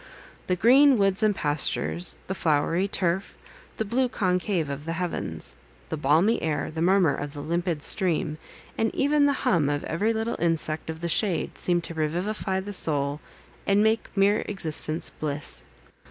The green woods and pastures; the flowery turf; the blue concave of the heavens; the balmy air; the murmur of the limpid stream; and even the hum of every little insect of the shade, seem to revivify the soul, and make mere existence bliss.